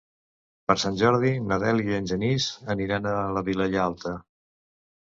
Per Sant Jordi na Dèlia i en Genís aniran a la Vilella Alta.